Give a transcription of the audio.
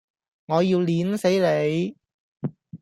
我要摙死你!